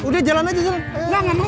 udah jalan aja